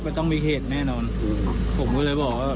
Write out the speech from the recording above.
พองน้ำมันล่นมาแล้ว